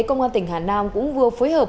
công an tỉnh hà nam cũng vừa phối hợp